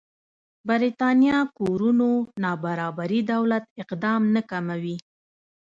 برېتانيا کورونو نابرابري دولت اقدام نه کموي.